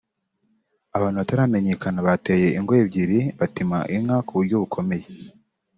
Abantu bataramenyekana bateye ingo ebyiri batema inka ku buryo bukomeye